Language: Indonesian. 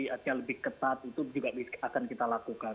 artinya lebih ketat itu juga akan kita lakukan